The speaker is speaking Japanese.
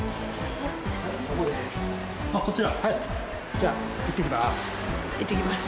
じゃあいってきます。